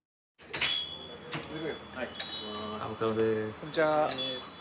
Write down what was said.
こんちは。